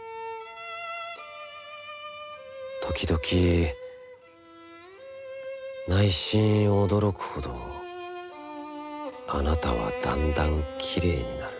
時々内心おどろくほどあなたはだんだんきれいになる」。